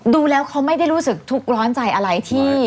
ดูแล้วเขาไม่ได้รู้สึกทุกข์ร้อนใจอะไรที่